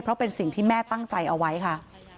เพราะเป็นสิ่งที่แม่ตั้งใจเอาไว้ค่ะ